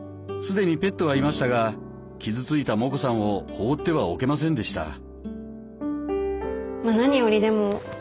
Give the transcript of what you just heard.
既にペットはいましたが傷ついたモコさんを放ってはおけませんでした。